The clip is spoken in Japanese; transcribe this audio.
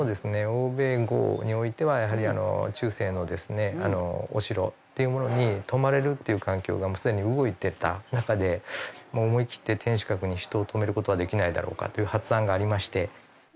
欧米豪においてはやはりあの中世のですねお城っていうものに泊まれるっていう環境がもうすでに動いてた中でまあ思い切って天守閣に人を泊める事はできないだろうか？という発案がありまして。